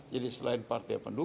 jadi selain itu